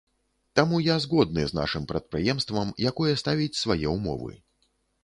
Таму я згодны з нашым прадпрыемствам, якое ставіць свае ўмовы.